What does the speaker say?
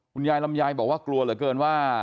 คุณยายลำไยบอกว่ากลัวเหลือเกินว่า